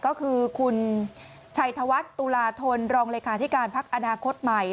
ก็คือคุณชัยธวัฒน์ตุลาธนรองเลขาธิการพักอนาคตใหม่